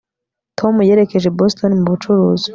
Tom yerekeje i Boston mu bucuruzi